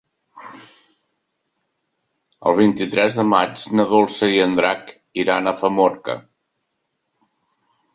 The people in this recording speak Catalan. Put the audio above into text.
El vint-i-tres de maig na Dolça i en Drac iran a Famorca.